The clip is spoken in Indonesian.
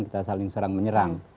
kita saling serang menyerang